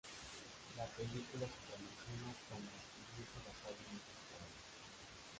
La película se promociona como estuviese basada en hechos reales.